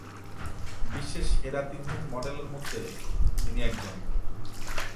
বিশ্বের সেরা তিনজন মডেল মধ্যে তিনি একজন।